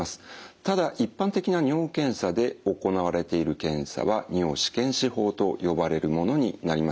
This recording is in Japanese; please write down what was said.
ただ一般的な尿検査で行われている検査は尿試験紙法と呼ばれるものになります。